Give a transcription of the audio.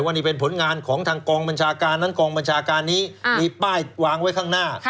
ว่านี่เป็นผลงานของทางกองบัญชาการนั้นกองบัญชาการนี้มีป้ายวางไว้ข้างหน้า